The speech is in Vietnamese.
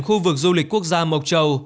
khu vực du lịch quốc gia mộc châu